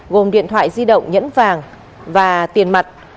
gồm điện thoại di động nhẫn vàng và tiền mặt